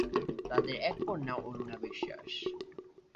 তাদের এক কন্যা অরুণা বিশ্বাস।